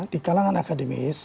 di kalangan akademis